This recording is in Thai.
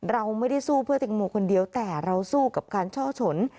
เราไม่ได้สู้เพื่อแตงโมคนเดียวแต่เราสู้กับการช่อฉน